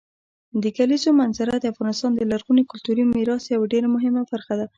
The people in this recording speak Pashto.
د کلیزو منظره د افغانستان د لرغوني کلتوري میراث یوه ډېره مهمه برخه ده.